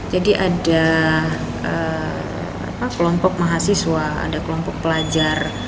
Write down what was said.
jadi ada kelompok mahasiswa ada kelompok pelajar